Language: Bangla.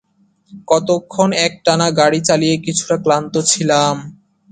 কতক্ষণ একটানাগাড়ি চালিয়ে কিছুটা ক্লান্ত ছিলাম?